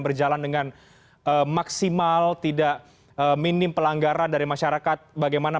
men sosialisasikan kepada warga